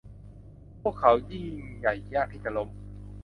พวกเขายิ่งใหญ่ยากที่จะล้ม